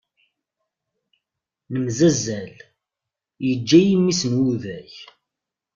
Nemzazzal, iǧǧa-yi mmi-s n wuday.